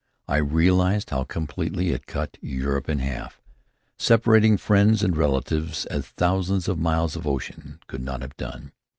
I realized how completely it cut Europe in half, separating friends and relatives as thousands of miles of ocean could not have done.